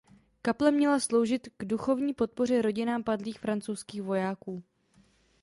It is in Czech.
Kaple měla sloužit k duchovní podpoře rodinám padlých francouzských vojáků.